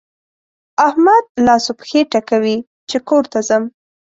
احمد لاس و پښې ټکوي چې کور ته ځم.